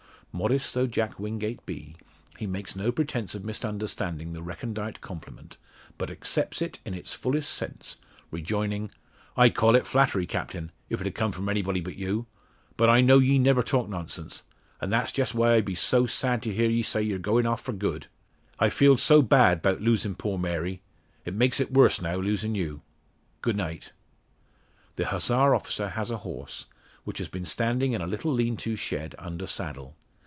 Modest though Jack Wingate be, he makes no pretence of misunderstanding the recondite compliment, but accepts it in its fullest sense, rejoining "I'd call it flattery, Captain, if't had come from anybody but you. But I know ye never talk nonsense; an' that's just why I be so sad to hear ye say you're goin' off for good. I feeled so bad 'bout losin' poor Mary; it makes it worse now losin' you. Good night!" The Hussar officer has a horse, which has been standing in a little lean to shed, under saddle.